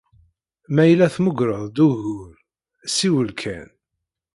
Ma yella tmuggreḍ-d ugur, siwel kan.